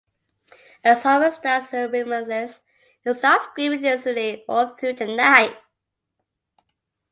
As Homer starts to reminisce, he starts screaming incessantly all through the night.